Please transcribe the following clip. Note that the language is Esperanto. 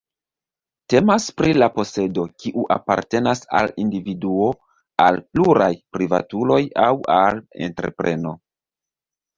Temas pri la posedo, kiu apartenas al individuo, al pluraj privatuloj aŭ al entrepreno.